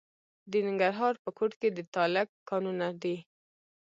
د ننګرهار په کوټ کې د تالک کانونه دي.